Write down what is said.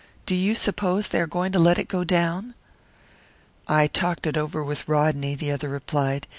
Do you suppose they are going to let it go down?" "I talked it over with Rodney," the other replied.